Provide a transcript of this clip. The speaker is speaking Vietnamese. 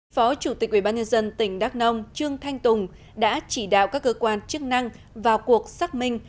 phó chủ tịch ubnd tỉnh đắk nông trương thanh tùng đã chỉ đạo các cơ quan chức năng vào cuộc xác minh